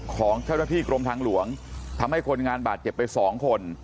ของเจ้าหน้าที่กรมทางหลวงทำให้คนงานบาดเจ็บไปสองคน